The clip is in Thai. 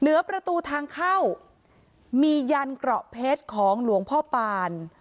ประตูทางเข้ามียันเกราะเพชรของหลวงพ่อปาน